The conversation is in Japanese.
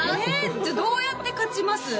じゃあどうやって勝ちます？